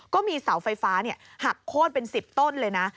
ก็มีเสาไฟฟ้าหักโค้นเป็น๑๐ต้นเลยนะ